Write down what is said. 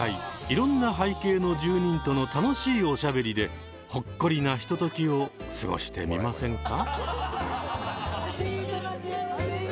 いろんな背景の住人との楽しいおしゃべりでほっこりなひとときを過ごしてみませんか？